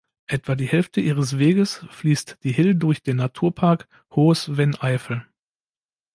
Etwa die Hälfte ihre Weges fließt die Hill durch den Naturpark Hohes Venn-Eifel.